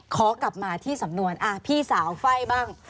ขอกลับมาที่สำนวนพี่สาวไฟ่บ้าง